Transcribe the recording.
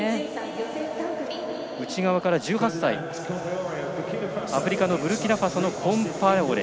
内側から１８歳アフリカのブルキナファソコンパオレ。